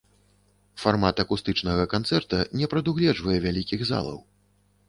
Фармат акустычнага канцэрта не прадугледжвае вялікіх залаў.